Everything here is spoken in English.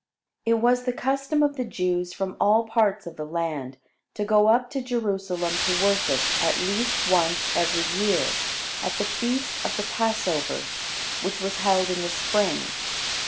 It was the custom of the Jews from all parts of the land to go up to Jerusalem to worship at least once every year, at the feast of the Passover, which was held in the spring.